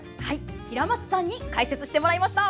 平松さんに解説してもらいました。